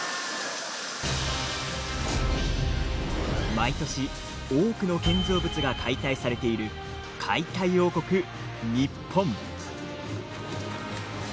毎年、多くの建造物が解体されている解体王国、日本。